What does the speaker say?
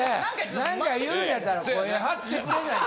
何か言うんやったら声張ってくれないと。